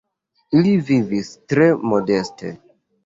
Ili vivis tre modeste.